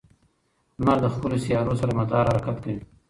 لمر د خپلو سیارو سره مدار حرکت کوي.